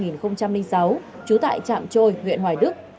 năm hai nghìn sáu chú tại trạm trôi huyện hoài đức